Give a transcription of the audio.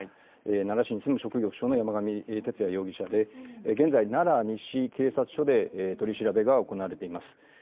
奈良市に住む職業不詳の山上徹也容疑者で現在、奈良西警察署で取り調べが行われています。